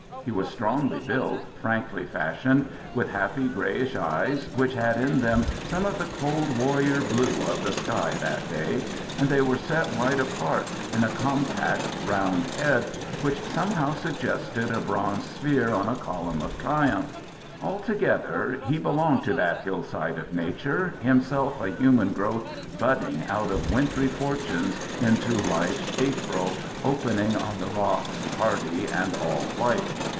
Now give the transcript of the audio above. He was strongly built, frankly fashioned, with happy grayish eyes, which had in them some of the cold warrior blue of the sky that day; and they were set wide apart in a compact round head, which somehow suggested a bronze sphere on a column of triumph. Altogether he belonged to that hillside of nature, himself a human growth budding out of wintry fortunes into life's April, opening on the rocks hardy and all white.